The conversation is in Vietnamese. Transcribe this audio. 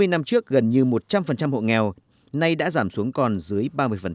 hai mươi năm trước gần như một trăm linh hộ nghèo nay đã giảm xuống còn dưới ba mươi